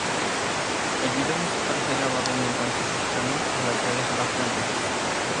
El video musical fue grabado en un rancho cercano a la ciudad de Xalapa-Enríquez.